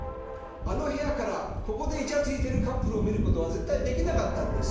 あの部屋からここでいちゃついてるカップルを見ることは絶対できなかったんです。